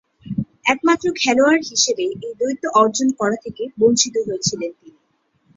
একমাত্র খেলোয়াড়ে হিসেবে এ দ্বৈত অর্জন করা থেকে বঞ্চিত হয়েছিলেন তিনি।